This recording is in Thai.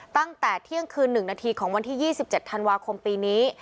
ตั้งแต่เที่ยงคืน๑นาทีของวันที่๒๗ธันวาคมปีนี้